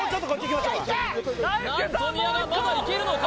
何と宮川まだいけるのか？